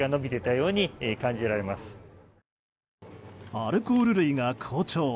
アルコール類が好調。